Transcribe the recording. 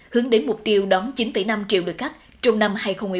hướng đến mục tiêu đón chín năm triệu lượt khách trong năm hai nghìn một mươi bốn